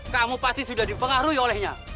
kamu pasti sudah dipengaruhi olehnya